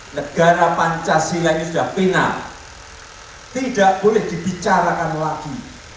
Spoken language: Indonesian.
negara pancasila ini sudah final tidak boleh dibicarakan lagi